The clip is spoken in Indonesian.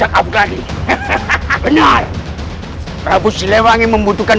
ini baru permulaan